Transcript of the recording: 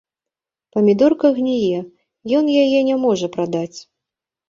Памідорка гніе, ён яе не можа прадаць!